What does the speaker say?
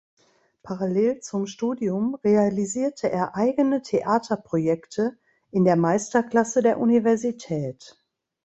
Parallel zum Studium realisierte er eigene Theaterprojekte in der Meisterklasse der Universität.